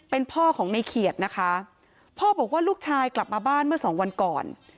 เป็นพ่อของในเขียดนะคะพ่อบอกว่าลูกชายกลับมาบ้านเมื่อสองวันก่อน